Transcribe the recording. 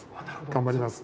頑張ります。